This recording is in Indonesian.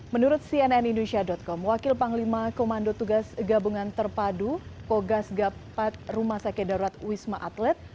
menurut cnn indonesia com wakil panglima komando tugas gabungan terpadu kogas gapat rumah sakit darurat wisma atlet